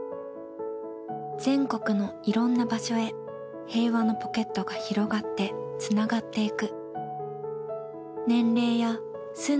全国のいろんな場所へ平和のポケットが広がってつながっていく。